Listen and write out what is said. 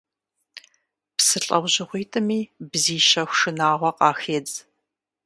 Псы лӀэужьыгъуитӀми бзий щэху шынагъуэ къахедз.